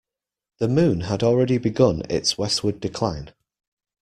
The moon had already begun its westward decline.